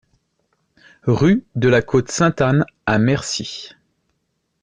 Rue de la Côte Sainte-Anne à Mercy